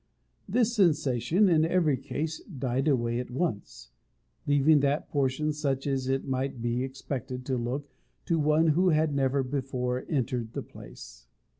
This sensation, in every case, died away at once, leaving that portion such as it might be expected to look to one who had never before entered the place.